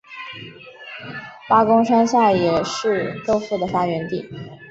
八公山下也是豆腐的发源地。